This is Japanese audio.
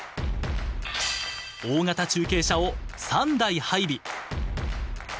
大型中継車を３台配備。